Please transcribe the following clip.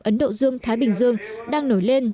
ấn độ dương thái bình dương đang nổi lên